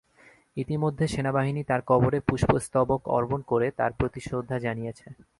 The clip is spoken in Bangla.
ইতিমধ্যে সেনাবাহিনী তার কবরে পুষ্পস্তবক অর্পণ করে তার প্রতি শ্রদ্ধা জানিয়েছে।